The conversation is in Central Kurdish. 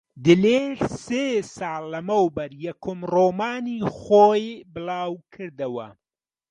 دلێر سێ ساڵ لەمەوبەر یەکەم ڕۆمانی خۆی بڵاو کردەوە.